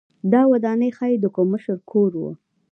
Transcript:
دا ودانۍ ښايي د کوم مشر کور و.